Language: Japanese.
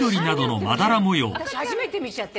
私初めて見ちゃって。